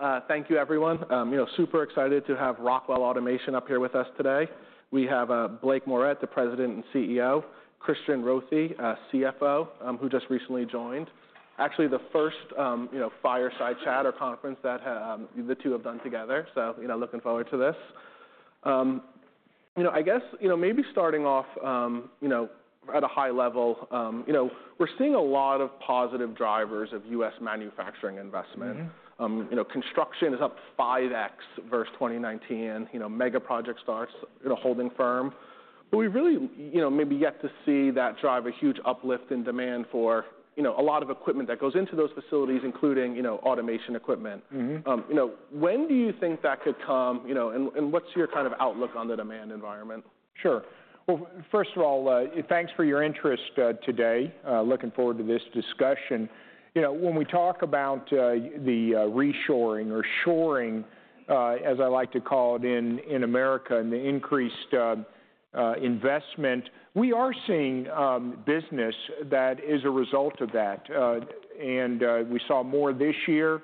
Well, thank you, everyone. You know, super excited to have Rockwell Automation up here with us today. We have, Blake Moret, the President and CEO, Christian Rothe, CFO, who just recently joined. Actually, the first, you know, fireside chat or conference that the two have done together, so, you know, looking forward to this. You know, I guess, you know, maybe starting off, you know, at a high level, you know, we're seeing a lot of positive drivers of U.S. manufacturing investment. You know, construction is up 5X versus 2019. You know, mega project starts, you know, holding firm. But we really, you know, maybe yet to see that drive a huge uplift in demand for, you know, a lot of equipment that goes into those facilities, including, you know, automation equipment. You know, when do you think that could come, you know, and what's your kind of outlook on the demand environment? Sure, well, first of all, thanks for your interest today. Looking forward to this discussion. You know, when we talk about the reshoring or shoring, as I like to call it, in America, and the increased investment we are seeing, business that is a result of that. We saw more this year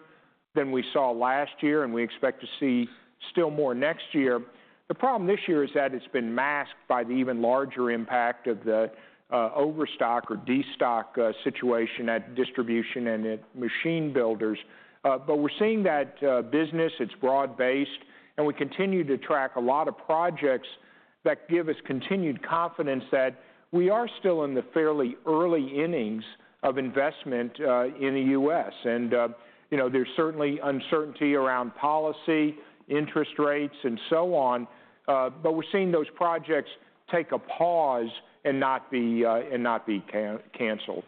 than we saw last year, and we expect to see still more next year. The problem this year is that it's been masked by the even larger impact of the overstock or destocking situation at distribution and at machine builders. We're seeing that business. It's broad-based, and we continue to track a lot of projects that give us continued confidence that we are still in the fairly early innings of investment in the U.S. You know, there's certainly uncertainty around policy, interest rates, and so on, but we're seeing those projects take a pause and not be canceled.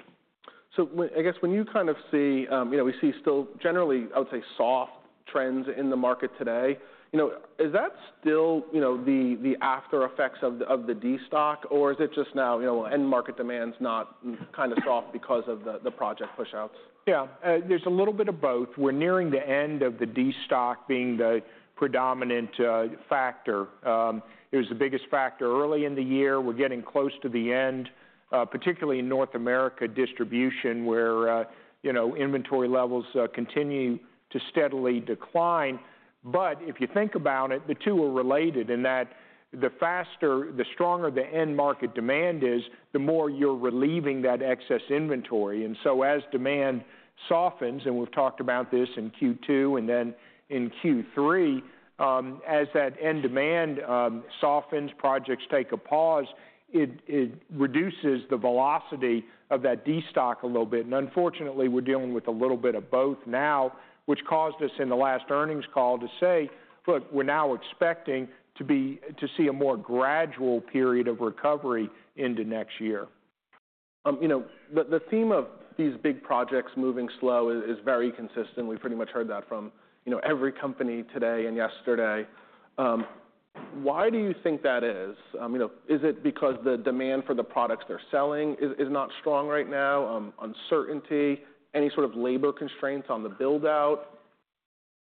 I guess when you kind of see, you know, we see still generally, I would say, soft trends in the market today, you know, is that still, you know, the aftereffects of the destock, or is it just now, you know, end market demand's not kind of soft because of the project pushouts? Yeah, there's a little bit of both. We're nearing the end of the destock being the predominant factor. It was the biggest factor early in the year. We're getting close to the end, particularly in North America distribution, where, you know, inventory levels continue to steadily decline. But if you think about it, the two are related in that the faster, the stronger the end market demand is, the more you're relieving that excess inventory. And so, as demand softens, and we've talked about this in Q2 and then in Q3, as that end demand softens, projects take a pause, it reduces the velocity of that destock a little bit. Unfortunately, we're dealing with a little bit of both now, which caused us, in the last earnings call, to say, "Look, we're now expecting to see a more gradual period of recovery into next year. You know, the theme of these big projects moving slow is very consistent. We've pretty much heard that from, you know, every company today and yesterday. Why do you think that is? You know, is it because the demand for the products they're selling is not strong right now? Uncertainty, any sort of labor constraints on the build-out?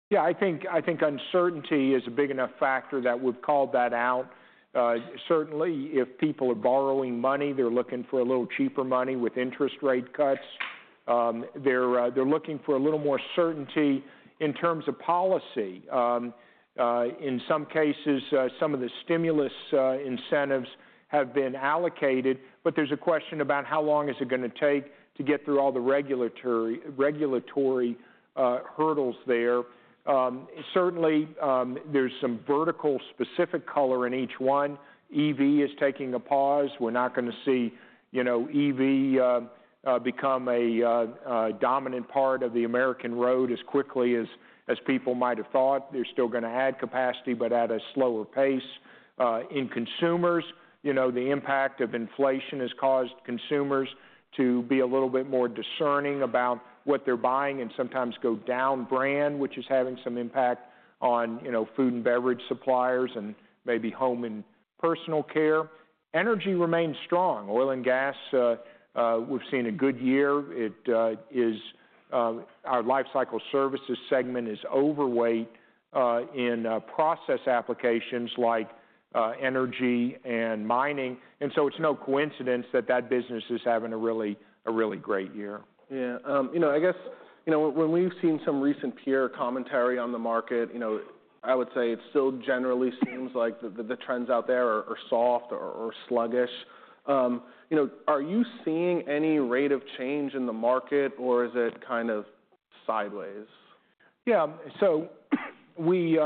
Yeah, I think uncertainty is a big enough factor that we've called that out. Certainly, if people are borrowing money, they're looking for a little cheaper money with interest rate cuts. They're looking for a little more certainty in terms of policy. In some cases, some of the stimulus incentives have been allocated, but there's a question about how long is it gonna take to get through all the regulatory hurdles there. Certainly, there's some vertical specific color in each one. EV is taking a pause. We're not gonna see, you know, EV become a dominant part of the American road as quickly as people might have thought. They're still gonna add capacity, but at a slower pace. In consumers, you know, the impact of inflation has caused consumers to be a little bit more discerning about what they're buying and sometimes go down brand, which is having some impact on, you know, food and beverage suppliers and maybe home and personal care. Energy remains strong. Oil and gas, we've seen a good year. Our Lifecycle Services segment is overweight in process applications like energy and mining, and so it's no coincidence that that business is having a really great year. Yeah. You know, I guess, you know, when we've seen some recent peer commentary on the market, you know, I would say it still generally seems like the trends out there are soft or sluggish. You know, are you seeing any rate of change in the market, or is it kind of sideways? Yeah, so we,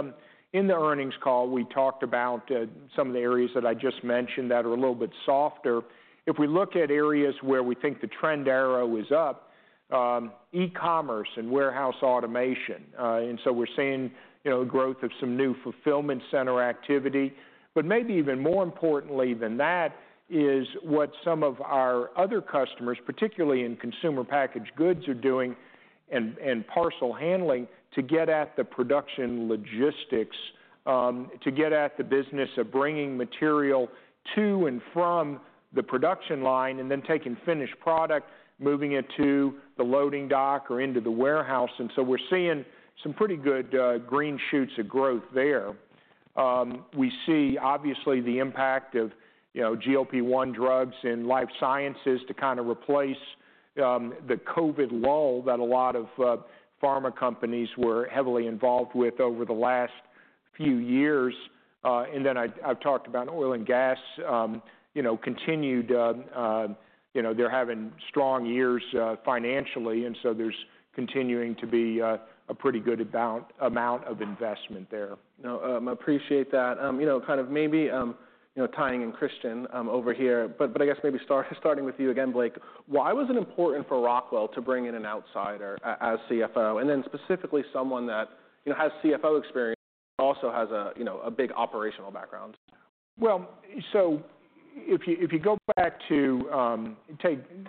in the earnings call, we talked about, some of the areas that I just mentioned that are a little bit softer. If we look at areas where we think the trend arrow is up, e-commerce and warehouse automation. And so we're seeing, you know, growth of some new fulfillment center activity. But maybe even more importantly than that is what some of our other customers, particularly in consumer packaged goods, are doing and parcel handling to get at the production logistics, to get at the business of bringing material to and from the production line, and then taking finished product, moving it to the loading dock or into the warehouse. And so we're seeing some pretty good, green shoots of growth there. We see obviously the impact of, you know, GLP-1 drugs in life sciences to kind of replace the COVID lull that a lot of pharma companies were heavily involved with over the last few years, and then I, I've talked about oil and gas, you know, continued, you know, they're having strong years, financially, and so there's continuing to be a pretty good amount of investment there. Now, appreciate that. You know, kind of maybe, you know, tying in Christian over here, but I guess maybe starting with you again, Blake, why was it important for Rockwell to bring in an outsider as CFO, and then specifically someone that, you know, has CFO experience, but also has a, you know, a big operational background? Well, so if you, if you go back to,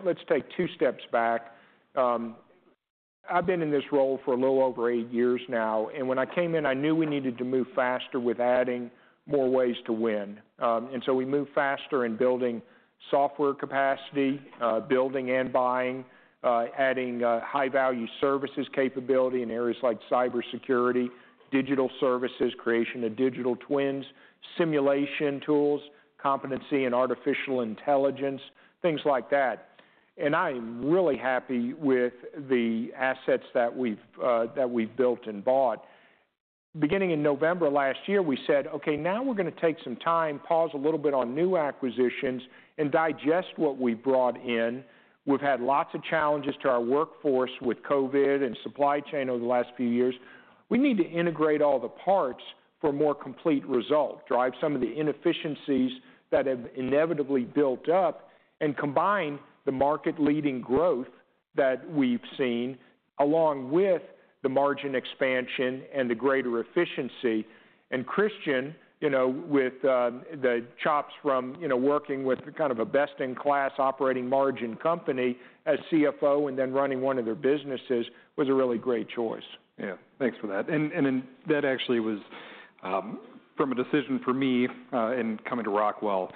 let's take two steps back. I've been in this role for a little over eight years now, and when I came in, I knew we needed to move faster with adding more ways to win. And so we moved faster in building software capacity, building and buying, adding high-value services capability in areas like cybersecurity, digital services, creation of digital twins, simulation tools, competency and artificial intelligence, things like that. And I'm really happy with the assets that we've built and bought. Beginning in November last year, we said, "Okay, now we're gonna take some time, pause a little bit on new acquisitions, and digest what we've brought in." We've had lots of challenges to our workforce with COVID and supply chain over the last few years. We need to integrate all the parts for a more complete result, drive some of the inefficiencies that have inevitably built up, and combine the market-leading growth that we've seen, along with the margin expansion and the greater efficiency, and Christian, you know, with the chops from, you know, working with kind of a best-in-class operating margin company as CFO and then running one of their businesses, was a really great choice. Yeah. Thanks for that. And then that actually was from a decision for me in coming to Rockwell.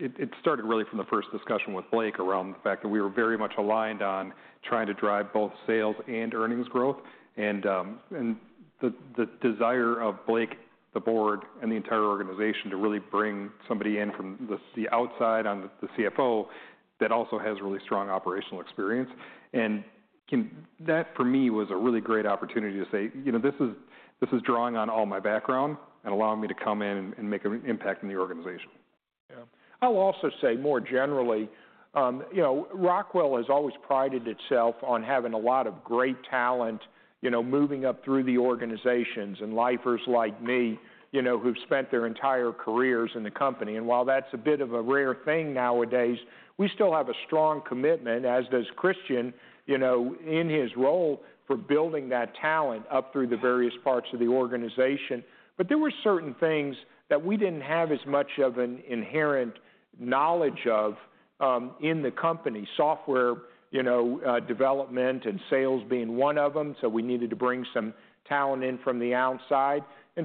It started really from the first discussion with Blake around the fact that we were very much aligned on trying to drive both sales and earnings growth, and the desire of Blake, the board, and the entire organization to really bring somebody in from the outside on the CFO that also has really strong operational experience. That, for me, was a really great opportunity to say, "You know, this is drawing on all my background and allowing me to come in and make an impact in the organization. Yeah. I'll also say more generally, you know, Rockwell has always prided itself on having a lot of great talent, you know, moving up through the organizations, and lifers like me, you know, who've spent their entire careers in the company. And while that's a bit of a rare thing nowadays, we still have a strong commitment, as does Christian, you know, in his role, for building that talent up through the various parts of the organization. But there were certain things that we didn't have as much of an inherent knowledge of, in the company. Software, you know, development and sales being one of them, so we needed to bring some talent in from the outside.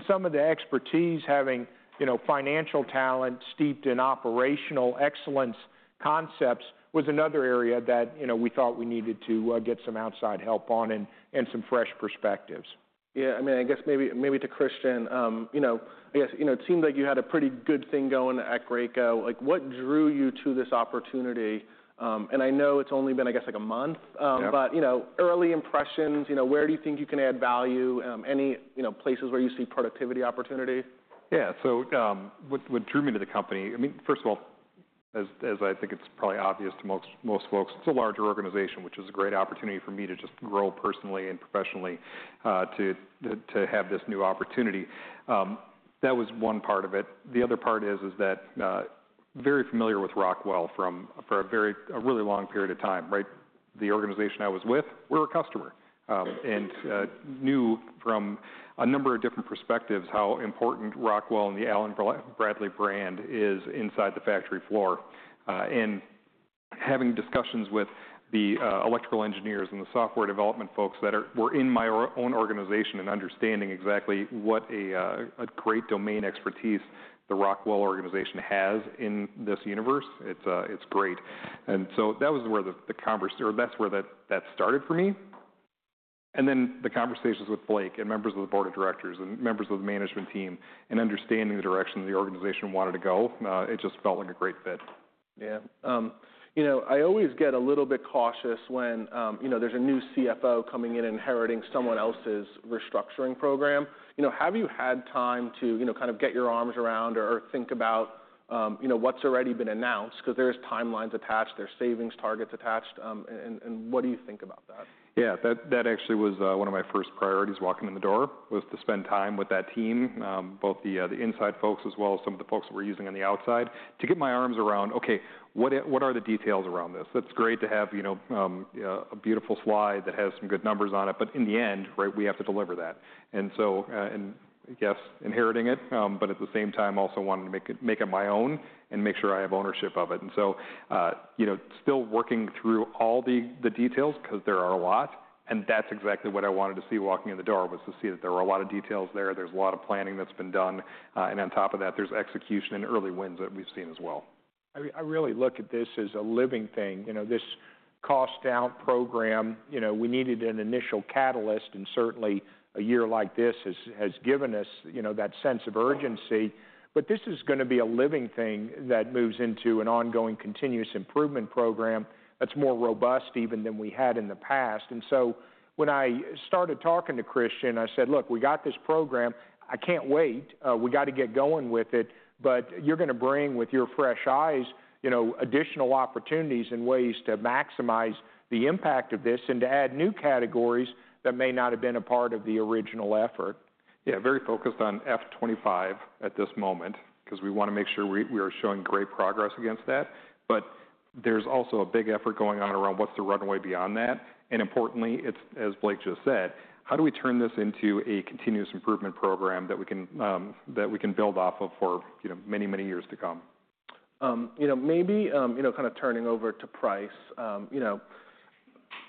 Some of the expertise, having, you know, financial talent steeped in operational excellence concepts, was another area that, you know, we thought we needed to get some outside help on and some fresh perspectives. Yeah, I mean, I guess maybe, maybe to Christian, you know, I guess, you know, it seemed like you had a pretty good thing going at Graco. Like, what drew you to this opportunity? And I know it's only been, I guess, like a month. Yeah. But, you know, early impressions, you know, where do you think you can add value? Any, you know, places where you see productivity opportunity? Yeah. So, what drew me to the company, I mean, first of all, as I think it's probably obvious to most folks, it's a larger organization, which is a great opportunity for me to just grow personally and professionally, to have this new opportunity. That was one part of it. The other part is that very familiar with Rockwell from for a very long period of time, right? The organization I was with, we're a customer, and knew from a number of different perspectives how important Rockwell and the Allen-Bradley brand is inside the factory floor. And having discussions with the electrical engineers and the software development folks that were in my own organization and understanding exactly what a great domain expertise the Rockwell organization has in this universe, it's great. And so that was where that started for me. And then the conversations with Blake and members of the board of directors and members of the management team, and understanding the direction the organization wanted to go, it just felt like a great fit. Yeah. You know, I always get a little bit cautious when, you know, there's a new CFO coming in and inheriting someone else's restructuring program. You know, have you had time to, you know, kind of get your arms around or, or think about, you know, what's already been announced? Because there's timelines attached, there's savings targets attached, and, and what do you think about that? Yeah, that actually was one of my first priorities walking in the door, was to spend time with that team, both the inside folks, as well as some of the folks that we're using on the outside, to get my arms around, "Okay, what are the details around this?" It's great to have, you know, a beautiful slide that has some good numbers on it, but in the end, right, we have to deliver that. And so, and I guess inheriting it, but at the same time, also wanting to make it my own and make sure I have ownership of it. And so, you know, still working through all the details, 'cause there are a lot, and that's exactly what I wanted to see walking in the door, was to see that there were a lot of details there. There's a lot of planning that's been done, and on top of that, there's execution and early wins that we've seen as well. I really look at this as a living thing. You know, this cost-down program, you know, we needed an initial catalyst, and certainly, a year like this has given us, you know, that sense of urgency. But this is gonna be a living thing that moves into an ongoing continuous improvement program that's more robust even than we had in the past. And so when I started talking to Christian, I said: "Look, we got this program. I can't wait. We got to get going with it, but you're gonna bring, with your fresh eyes, you know, additional opportunities and ways to maximize the impact of this and to add new categories that may not have been a part of the original effort. Yeah, very focused on fiscal 2025 at this moment, 'cause we want to make sure we are showing great progress against that. But there's also a big effort going on around what's the runway beyond that, and importantly, it's as Blake just said, how do we turn this into a continuous improvement program that we can build off of for, you know, many, many years to come? You know, maybe, you know, kind of turning over to price, you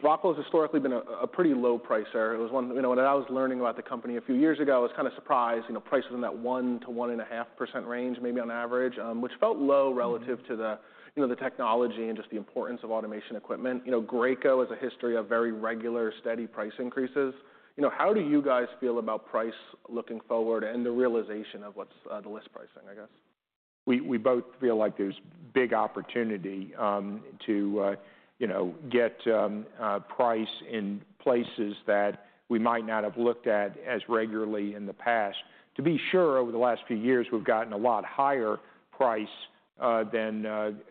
know, Rockwell has historically been a pretty low pricer. It was one... You know, when I was learning about the company a few years ago, I was kind of surprised, you know, prices in that 1%-1.5% range, maybe on average, which felt low relative to the, you know, the technology and just the importance of automation equipment. You know, Graco has a history of very regular, steady price increases. You know, how do you guys feel about price looking forward and the realization of what's the list pricing, I guess? We both feel like there's big opportunity to, you know, get price in places that we might not have looked at as regularly in the past. To be sure, over the last few years, we've gotten a lot higher price than,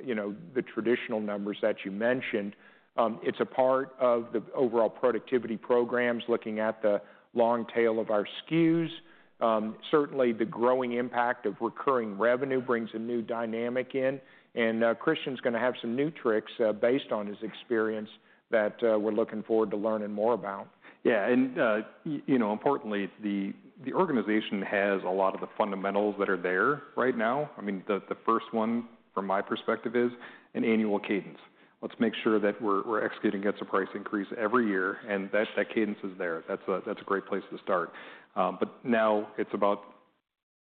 you know, the traditional numbers that you mentioned. It's a part of the overall productivity programs, looking at the long tail of our SKUs. Certainly, the growing impact of recurring revenue brings a new dynamic in and Christian's gonna have some new tricks based on his experience that we're looking forward to learning more about. Yeah, and you know, importantly, the organization has a lot of the fundamentals that are there right now. I mean, the first one, from my perspective, is an annual cadence. Let's make sure that we're executing against a price increase every year, and that cadence is there. That's a great place to start. But now it's about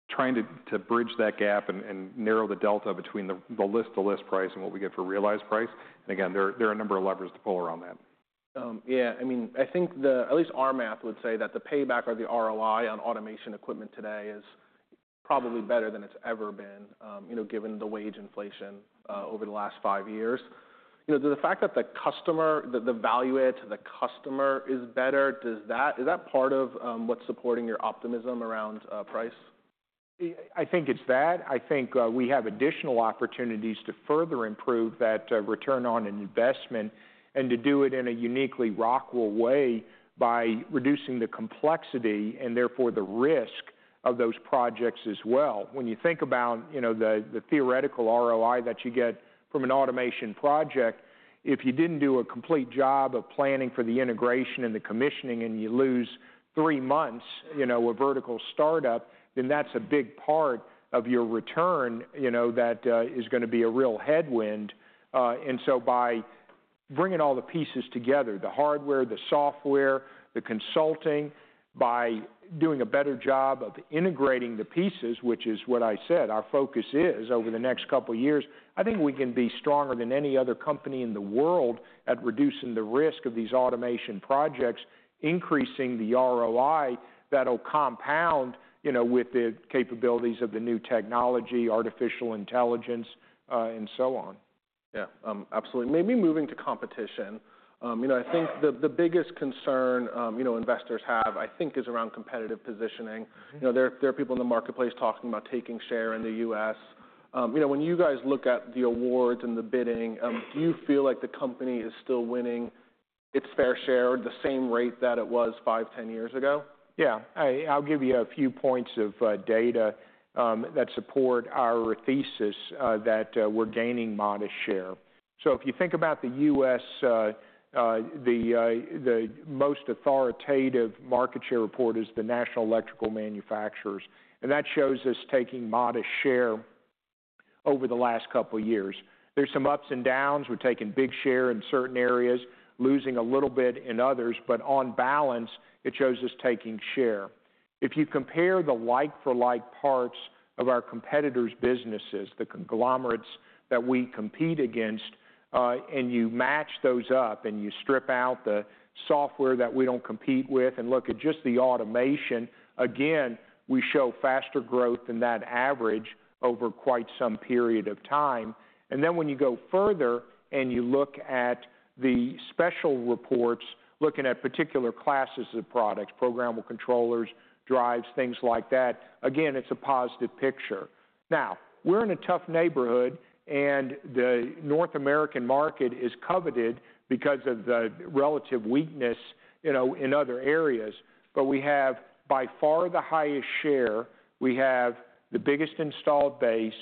trying to bridge that gap and narrow the delta between the list price and what we get for realized price. And again, there are a number of levers to pull around that. Yeah, I mean, I think at least our math would say that the payback or the ROI on automation equipment today is probably better than it's ever been, you know, given the wage inflation over the last five years. You know, does the fact that the customer, the value add to the customer is better, does that is that part of what's supporting your optimism around price? I think it's that. I think we have additional opportunities to further improve that return on investment and to do it in a uniquely Rockwell way by reducing the complexity, and therefore, the risk of those projects as well. When you think about, you know, the theoretical ROI that you get from an automation project, if you didn't do a complete job of planning for the integration and the commissioning, and you lose three months, you know, with vertical startup, then that's a big part of your return, you know, that is gonna be a real headwind. And so by bringing all the pieces together, the hardware, the software, the consulting, by doing a better job of integrating the pieces, which is what I said our focus is over the next couple of years, I think we can be stronger than any other company in the world at reducing the risk of these automation projects, increasing the ROI that'll compound, you know, with the capabilities of the new technology, artificial intelligence, and so on. Yeah, absolutely. Maybe moving to competition. You know, I think the biggest concern, you know, investors have, I think, is around competitive positioning. You know, there are people in the marketplace talking about taking share in the U.S. You know, when you guys look at the awards and the bidding, do you feel like the company is still winning its fair share or the same rate that it was five, ten years ago? Yeah. I'll give you a few points of data that support our thesis that we're gaining modest share. So if you think about the U.S., the most authoritative market share report is the National Electrical Manufacturers Association, and that shows us taking modest share over the last couple of years. There's some ups and downs. We've taken big share in certain areas, losing a little bit in others, but on balance, it shows us taking share. If you compare the like for like parts of our competitors' businesses, the conglomerates that we compete against, and you match those up, and you strip out the software that we don't compete with and look at just the automation, again, we show faster growth than that average over quite some period of time. Then when you go further and you look at the special reports, looking at particular classes of products, programmable controllers, drives, things like that, again, it's a positive picture. Now, we're in a tough neighborhood, and the North American market is coveted because of the relative weakness, you know, in other areas. But we have by far the highest share, we have the biggest installed base,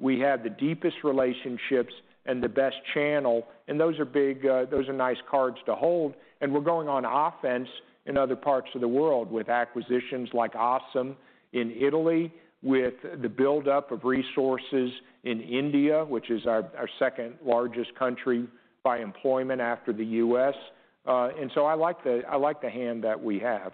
we have the deepest relationships and the best channel, and those are big, those are nice cards to hold, and we're going on offense in other parts of the world with acquisitions like ASEM in Italy, with the buildup of resources in India, which is our second largest country by employment after the U.S. And so I like the hand that we have.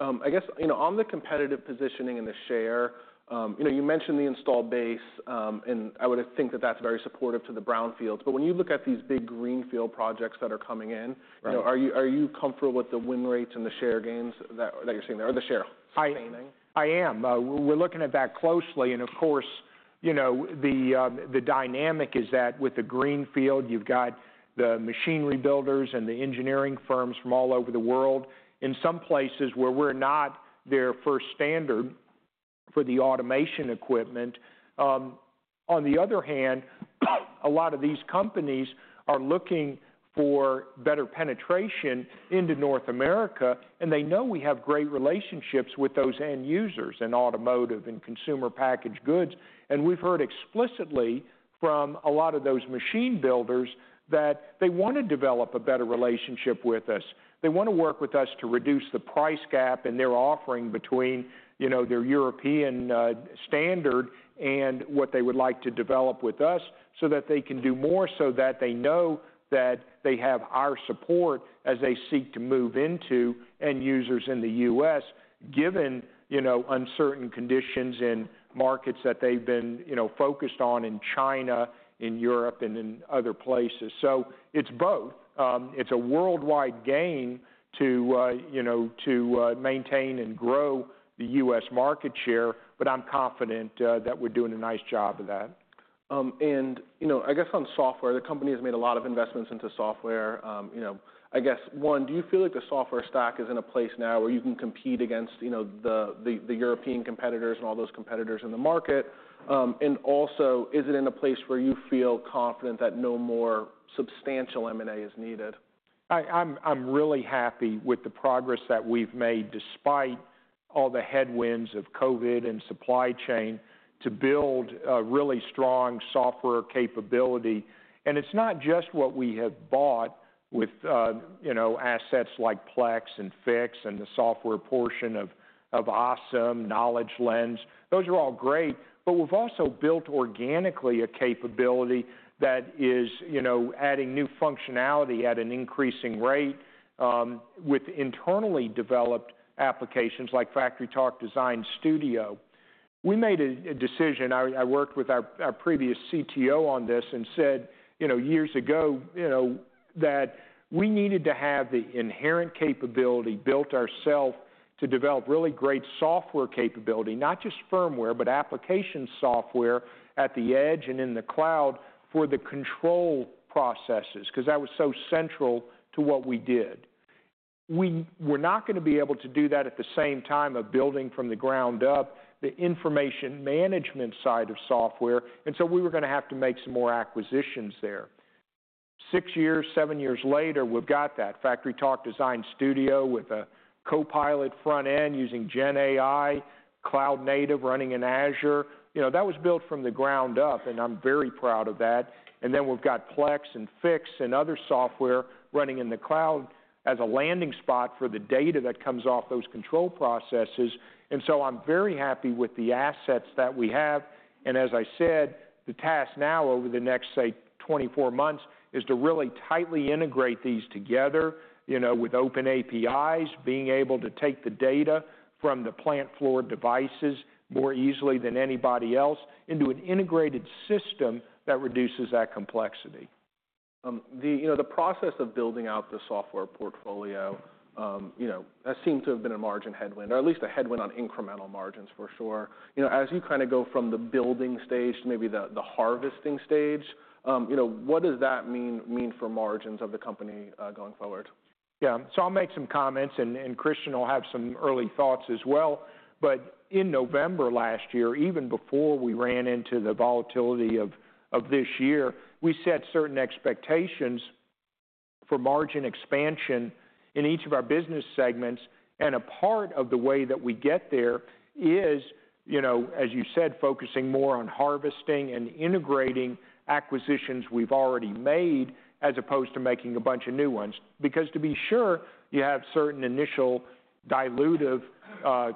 I guess, you know, on the competitive positioning and the share, you know, you mentioned the installed base, and I would think that that's very supportive to the brownfields. But when you look at these big greenfield projects that are coming in- Right. You know, are you comfortable with the win rates and the share gains that you're seeing there, or the share sustaining? We're looking at that closely and, of course, you know, the dynamic is that with the greenfield, you've got the machinery builders and the engineering firms from all over the world. In some places where we're not their first standard for the automation equipment. On the other hand, a lot of these companies are looking for better penetration into North America, and they know we have great relationships with those end users in automotive and consumer packaged goods. And we've heard explicitly from a lot of those machine builders that they want to develop a better relationship with us. They want to work with us to reduce the price gap in their offering between, you know, their European standard and what they would like to develop with us, so that they can do more so that they know that they have our support as they seek to move into end users in the U.S., given, you know, uncertain conditions in markets that they've been, you know, focused on in China, in Europe, and in other places. So it's both. It's a worldwide gain to, you know, to, maintain and grow the U.S. market share, but I'm confident that we're doing a nice job of that. And, you know, I guess on software, the company has made a lot of investments into software. You know, I guess, one, do you feel like the software stack is in a place now where you can compete against, you know, the European competitors and all those competitors in the market? And also, is it in a place where you feel confident that no more substantial M&A is needed? I'm really happy with the progress that we've made, despite all the headwinds of COVID and supply chain, to build a really strong software capability, and it's not just what we have bought with, you know, assets like Plex and Fiix and the software portion of ASEM, Knowledge Lens. Those are all great, but we've also built organically a capability that is, you know, adding new functionality at an increasing rate, with internally developed applications like FactoryTalk Design Studio. We made a decision. I worked with our previous CTO on this and said, you know, years ago, you know, that we needed to have the inherent capability built ourselves to develop really great software capability, not just firmware, but application software at the edge and in the cloud for the control processes, 'cause that was so central to what we did. We were not gonna be able to do that at the same time of building from the ground up the information management side of software, and so we were gonna have to make some more acquisitions there. Six years, seven years later, we've got that. FactoryTalk Design Studio with a Copilot front end using GenAI, cloud native, running in Azure. You know, that was built from the ground up, and I'm very proud of that, and then we've got Plex and Fiix and other software running in the cloud as a landing spot for the data that comes off those control processes. And so I'm very happy with the assets that we have, and as I said, the task now over the next, say, twenty-four months, is to really tightly integrate these together, you know, with open APIs, being able to take the data from the plant floor devices more easily than anybody else into an integrated system that reduces that complexity. You know, the process of building out the software portfolio, you know, that seemed to have been a margin headwind, or at least a headwind on incremental margins for sure. You know, as you kind of go from the building stage to maybe the harvesting stage, you know, what does that mean for margins of the company going forward? Yeah. So I'll make some comments, and Christian will have some early thoughts as well. But in November last year, even before we ran into the volatility of this year, we set certain expectations for margin expansion in each of our business segments, and a part of the way that we get there is, you know, as you said, focusing more on harvesting and integrating acquisitions we've already made, as opposed to making a bunch of new ones. Because to be sure, you have certain initial dilutive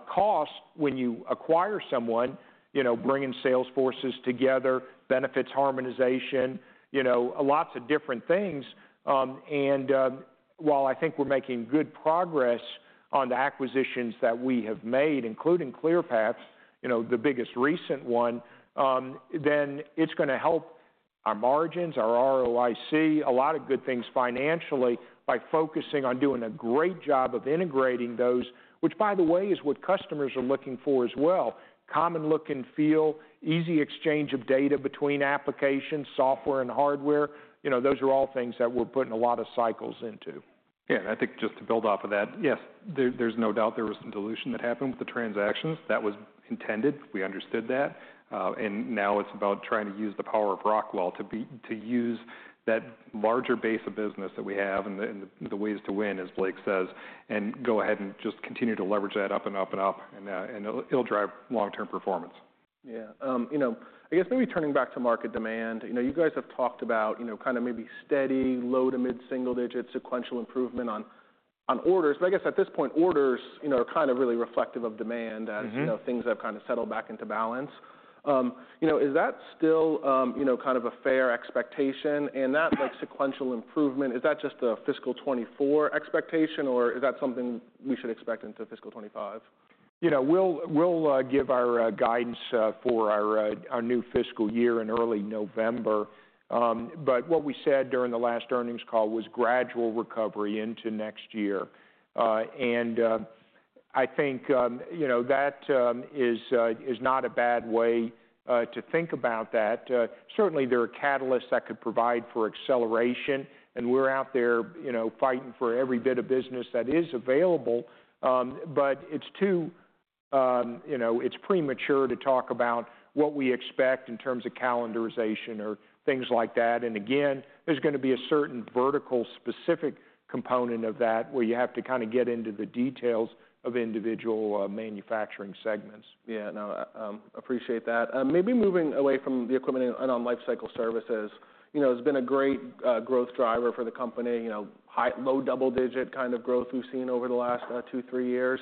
costs when you acquire someone, you know, bringing sales forces together, benefits harmonization, you know, lots of different things. While I think we're making good progress on the acquisitions that we have made, including Clearpath, you know, the biggest recent one, then it's gonna help our margins, our ROIC, a lot of good things financially by focusing on doing a great job of integrating those, which, by the way, is what customers are looking for as well: common look and feel, easy exchange of data between applications, software and hardware. You know, those are all things that we're putting a lot of cycles into. Yeah, and I think just to build off of that, yes, there's no doubt there was some dilution that happened with the transactions. That was intended. We understood that, and now it's about trying to use the power of Rockwell to use that larger base of business that we have and the ways to win, as Blake says, and go ahead and just continue to leverage that up and up and up, and it'll drive long-term performance. Yeah. You know, I guess maybe turning back to market demand, you know, you guys have talked about, you know, kind of maybe steady, low- to mid-single-digit sequential improvement on orders. But I guess at this point, orders, you know, are kind of really reflective of demand. as you know, things have kind of settled back into balance. You know, is that still, you know, kind of a fair expectation, and that, like, sequential improvement, is that just a fiscal 2024 expectation, or is that something we should expect into fiscal 2025? You know, we'll give our guidance for our new fiscal year in early November. But what we said during the last earnings call was gradual recovery into next year. And I think you know that is not a bad way to think about that. Certainly there are catalysts that could provide for acceleration, and we're out there, you know, fighting for every bit of business that is available. But it's too... You know, it's premature to talk about what we expect in terms of calendarization or things like that. And again, there's gonna be a certain vertical specific component of that, where you have to kind of get into the details of individual manufacturing segments. Yeah. No, appreciate that. Maybe moving away from the equipment and on Lifecycle Services. You know, it's been a great growth driver for the company. You know, high, low double-digit kind of growth we've seen over the last two, three years.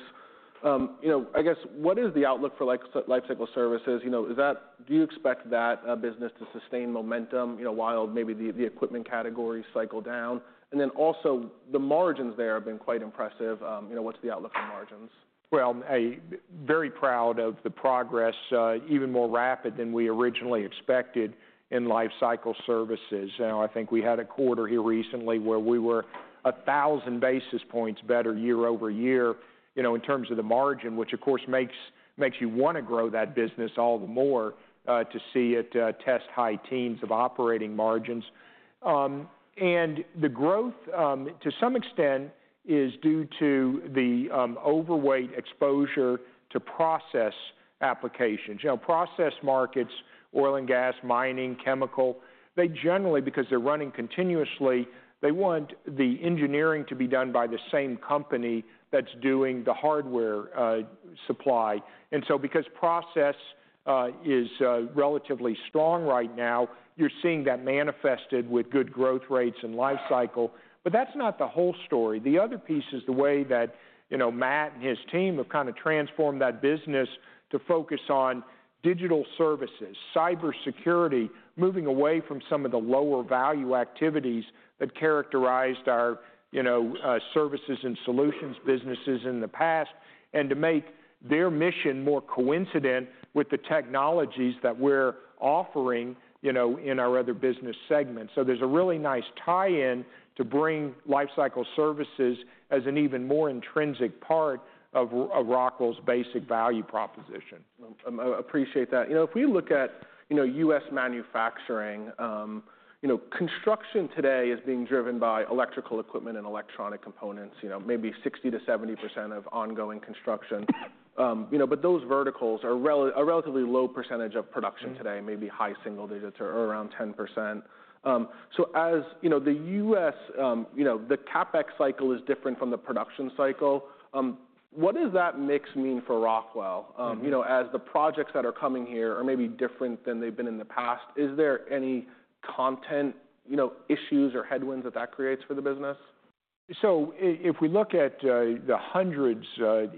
You know, I guess, what is the outlook for Lifecycle Services? You know, is that. Do you expect that business to sustain momentum, you know, while maybe the equipment categories cycle down? And then also, the margins there have been quite impressive. You know, what's the outlook for margins? Very proud of the progress, even more rapid than we originally expected in Lifecycle Services. You know, I think we had a quarter here recently where we were a thousand basis points better year-over-year, you know, in terms of the margin, which of course makes you wanna grow that business all the more, to see it test high teens of operating margins, and the growth, to some extent, is due to the overweight exposure to process applications. You know, process markets, oil and gas, mining, chemical, they generally, because they're running continuously, they want the engineering to be done by the same company that's doing the hardware supply, and so because process is relatively strong right now, you're seeing that manifested with good growth rates and Lifecycle, but that's not the whole story. The other piece is the way that, you know, Matt and his team have kind of transformed that business to focus on digital services, cybersecurity, moving away from some of the lower value activities that characterized our, you know, services and solutions businesses in the past, and to make their mission more coincident with the technologies that we're offering, you know, in our other business segments. So there's a really nice tie-in to bring Lifecycle Services as an even more intrinsic part of Rockwell's basic value proposition. I appreciate that. You know, if we look at, you know, U.S. manufacturing, you know, construction today is being driven by electrical equipment and electronic components, you know, maybe 60%-70% of ongoing construction. You know, but those verticals are relatively low percentage of production today maybe high single digits or around 10%. So as you know, the U.S., you know, the CapEx cycle is different from the production cycle. What does that mix mean for Rockwell? You know, as the projects that are coming here are maybe different than they've been in the past, is there any constraint, you know, issues or headwinds that that creates for the business? So if we look at the hundreds,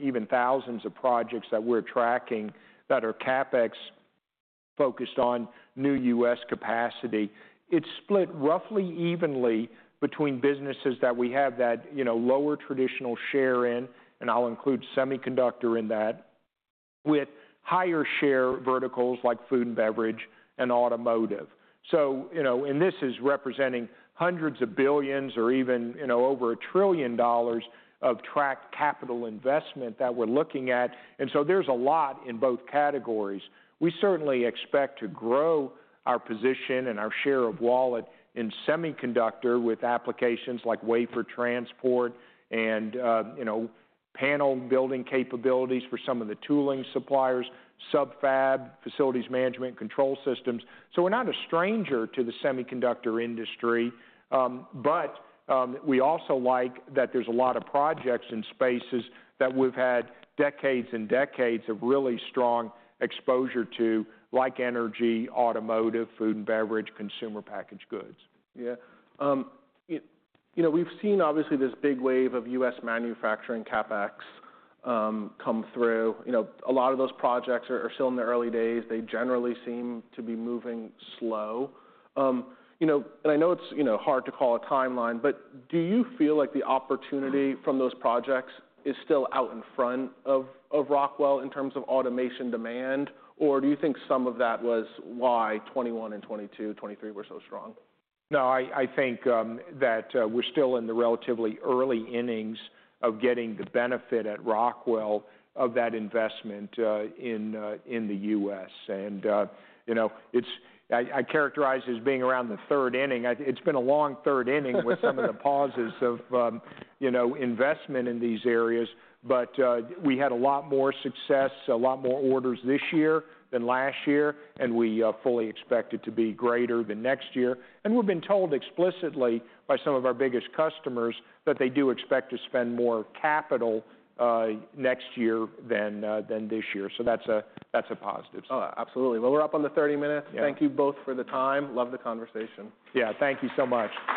even thousands of projects that we're tracking that are CapEx focused on new U.S. capacity, it's split roughly evenly between businesses that we have that, you know, lower traditional share in, and I'll include semiconductor in that, with higher share verticals like food and beverage and automotive. So, you know, and this is representing hundreds of billions dollars or even, you know, over a trillion dollars of tracked capital investment that we're looking at, and so there's a lot in both categories. We certainly expect to grow our position and our share of wallet in semiconductor, with applications like wafer transport and, you know, panel building capabilities for some of the tooling suppliers, sub-fab, facilities management, control systems. So we're not a stranger to the semiconductor industry, but we also like that there's a lot of projects and spaces that we've had decades and decades of really strong exposure to, like energy, automotive, food and beverage, consumer packaged goods. Yeah. You know, we've seen obviously this big wave of U.S. manufacturing CapEx come through. You know, a lot of those projects are still in the early days. They generally seem to be moving slow. You know, and I know it's you know, hard to call a timeline, but do you feel like the opportunity from those projects is still out in front of Rockwell in terms of automation demand? Or do you think some of that was why 2021 and 2022, 2023 were so strong? No, I think that we're still in the relatively early innings of getting the benefit at Rockwell of that investment in the U.S. And you know, I characterize it as being around the third inning. It's been a long third inning with some of the pauses of, you know, investment in these areas. But we had a lot more success, a lot more orders this year than last year, and we fully expect it to be greater than next year. And we've been told explicitly by some of our biggest customers that they do expect to spend more capital next year than this year. So that's a positive. Oh, absolutely. Well, we're up on the 30 minutes. Yeah. Thank you both for the time. Loved the conversation. Yeah. Thank you so much.